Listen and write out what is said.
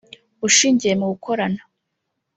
ushingiye mu gukorana